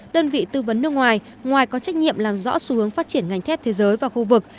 đơn vị tư vấn nước ngoài ngoài có trách nhiệm làm rõ xu hướng phát triển ngành thép thế giới và khu vực